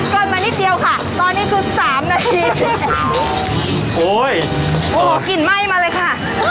ก่อนมานิดเดียวค่ะตอนนี้คือสามนาทีโอ้ยโอ้โหกลิ่นไหม้มาเลยค่ะ